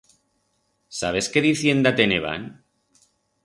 Sabes qué dicienda teneban?